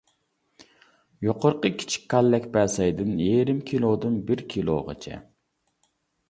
يۇقىرىقى كىچىك كاللەك بەسەيدىن يېرىم كىلودىن بىر كىلوغىچە.